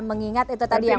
mengingat itu tadi yang